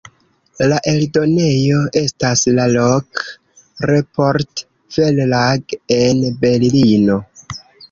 La eldonejo estas la "Lok-Report-Verlag" en Berlino.